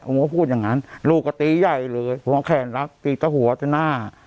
ผมก็พูดอย่างนั้นลูกก็ตีใหญ่เลยหัวแขนรับตีตะหัวจะหน้า